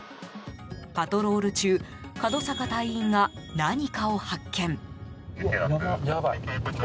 パトロール中門阪隊員が何かを発見。